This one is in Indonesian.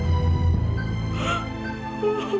dia sudah berakhir